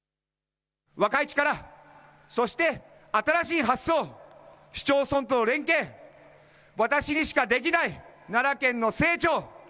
若い力、そして新しい発想、市町村との連携、私にしかできない奈良県の成長。